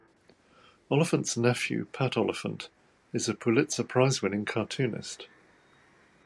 Oliphant's nephew, Pat Oliphant, is a Pulitzer Prize-winning cartoonist.